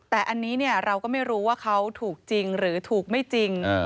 แต่อันนี้เราก็ไม่รู้ว่าเขาถูกจริงหรือถูกไม่จริง